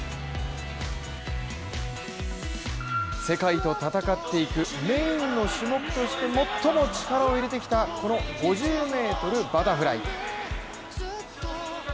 世界と戦っていくメーンの種目として、最も力を入れてきたこの５０ｍバタフライ。